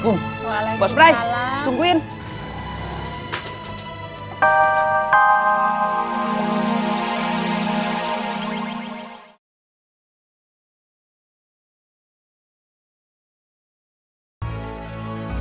kamu harus tanggung jawab